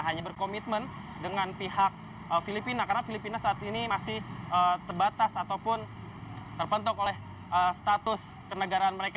hanya berkomitmen dengan pihak filipina karena filipina saat ini masih terbatas ataupun terpentuk oleh status kenegaraan mereka